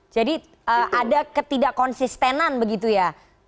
jadi ada ketidak konsistenan begitu ya